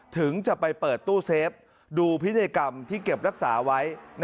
ถึงจะไปเปิดตู้เซฟดูพินัยกรรมที่เก็บรักษาไว้